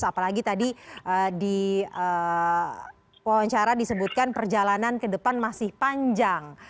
apalagi tadi di wawancara disebutkan perjalanan ke depan masih panjang